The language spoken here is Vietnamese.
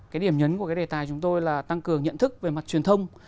cái điểm nhấn của cái đề tài chúng tôi là tăng cường nhận thức về mặt truyền thông